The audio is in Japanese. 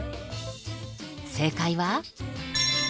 正解は。